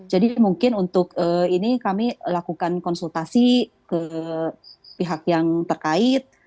jadi mungkin untuk ini kami lakukan konsultasi ke pihak yang terkait